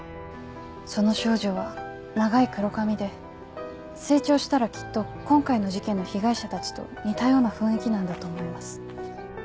その少女は長い黒髪で成長したらきっと今回の事件の被害者たちと似たような雰囲気なんだと思います。